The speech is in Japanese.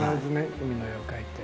海の絵を描いて。